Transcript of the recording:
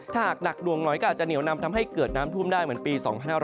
ถ้าหากหนักดวงหน่อยก็อาจจะเหนียวนำทำให้เกิดน้ำท่วมได้เหมือนปี๒๕๖๐